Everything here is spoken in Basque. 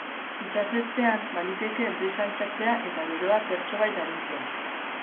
Itsasertzean, baliteke brisa altxatzea eta beroa zertxobait arintzea.